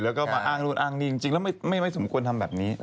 แล้วก็มาอ้างนู่นอ้างนี่จริงแล้วไม่สมควรทำแบบนี้